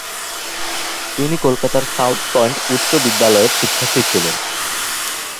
তিনি কলকাতার South Point উচ্চ বিদ্যালয়ের শিক্ষার্থী ছিলেন।